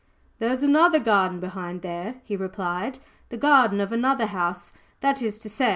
"There is another garden behind there," he replied, "the garden of another house, that is to say.